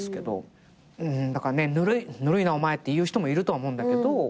だから「ぬるいなお前」って言う人もいるとは思うんだけど。